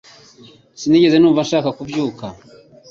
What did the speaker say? Sinigeze numva nshaka kubyuka